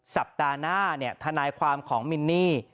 สัปดาห์หน้าทนายความของมินนี่